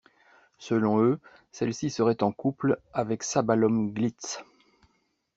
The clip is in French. Selon eux, celle-ci serait en couple avec Sabalom Glitz.